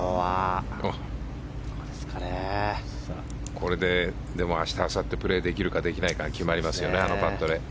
これで、明日あさってプレーできるかできないかが決まりますよね、あのパットで。